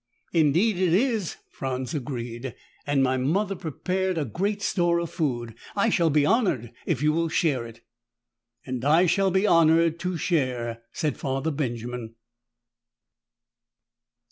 "Indeed it is," Franz agreed, "and my mother prepared a great store of food. I shall be honored if you will share it." "And I shall be honored to share," said Father Benjamin.